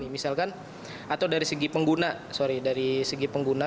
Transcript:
misalkan atau dari segi pengguna